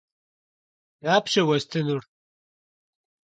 Dapşe yêstınur?